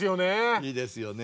いいですよね。